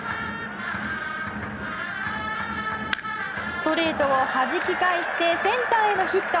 ストレートをはじき返してセンターへのヒット。